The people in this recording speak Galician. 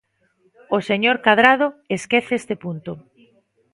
O señor Cadrado esquece este punto.